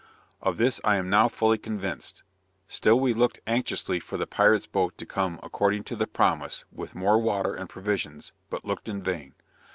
Of this I am now fully convinced; still we looked anxiously for the pirate's boat to come according to promise with more water and provisions, but looked in vain.